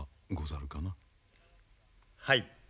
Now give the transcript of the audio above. はい。